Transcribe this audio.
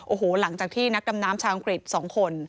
โอ้โหหลังจากที่นักดำน้ำชาวอังกฤษ๒คน